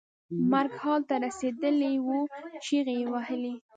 مرګ حال ته رسېدلی و چغې یې وهلې.